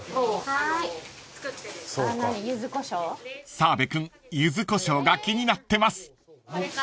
［澤部君柚子胡椒が気になってます］